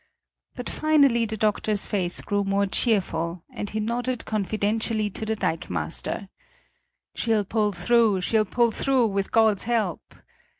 But finally the doctor's face grew more cheerful, and he nodded confidentially to the dikemaster: "She'll pull through. She'll pull through, with God's help!"